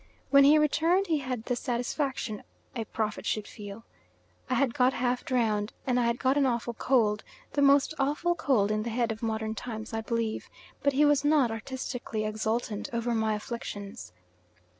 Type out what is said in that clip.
When he returned he had the satisfaction a prophet should feel. I had got half drowned, and I had got an awful cold, the most awful cold in the head of modern times, I believe, but he was not artistically exultant over my afflictions.